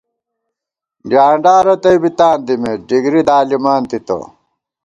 ڈیانڈا رتئ بی تاندِمېت ، ڈِگری دالِمانتِتہ